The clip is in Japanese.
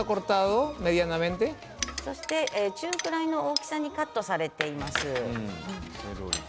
そして、中ぐらいの大きさにカットされています。